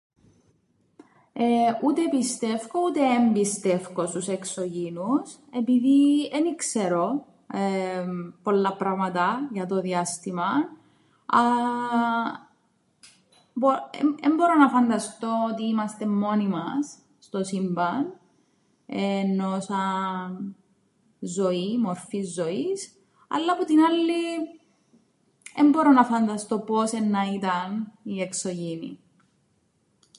Εεε ούτε πιστε΄υκω ούτε εν πιστεύκω στους εξωγήνιους, επειδή εν ι-ξέρω πολλά πράματα για το διάστημαν. Εν μπορώ να φανταστώ ότι είμαστεν μόνοι μας στο σύμπαν, εννοώ σαν ζωή, μορφή ζωής, αλλά που την άλλη εν μπορώ να φανταστώ πώς εννά ήταν οι εξωγήινοι.